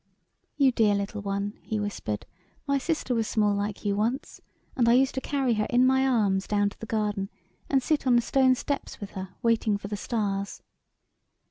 " You dear little one," he whispered ;" my sister was small like you once, and I used to carry her in my arms down to the garden, and sit on the stone steps with her, waiting for the stars."